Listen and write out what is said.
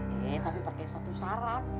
eh tapi pakai satu syarat